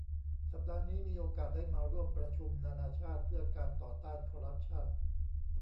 สัปดาห์นี้มีโอกาสได้มาร่วมประชุมนานาชาติเพื่อการต่อต้านคอร์รัปชั่น